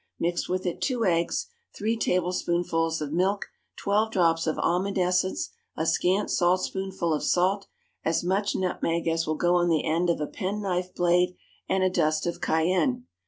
Mix with it two eggs, three tablespoonfuls of milk, twelve drops of almond essence, a scant saltspoonful of salt, as much nutmeg as will go on the end of a penknife blade, and a dust of cayenne.